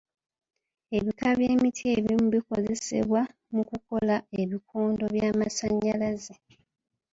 Ebika by'emiti ebimu bikozesebwa mu kukola ebikondo by'amasannyalaze.